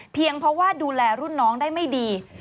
เพราะว่าดูแลรุ่นน้องได้ไม่ดี